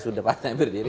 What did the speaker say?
sudah partai berdiri